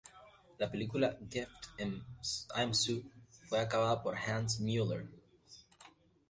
La película "Gift im Zoo" fue acabada por Hans Müller.